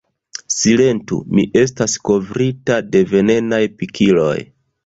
"Silentu, mi estas kovrita de venenaj pikiloj!"